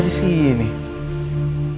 kita mau bangun eloin